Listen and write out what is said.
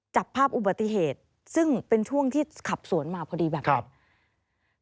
จับภาพอุบัติเหตุซึ่งเป็นช่วงที่ขับสวนมาพอดีแบบนี้